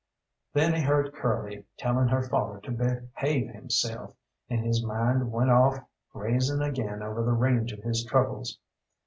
Then he heard Curly telling her father to behave himself, and his mind went off grazing again over the range of his troubles.